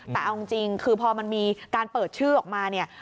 แต่เอาจริงคือพอมันมีการเปิดชื่อออกมาเนี่ย